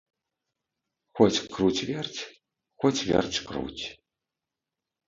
Хоць круць-верць, хоць верць-круць.